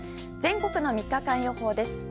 全国の３日間予報です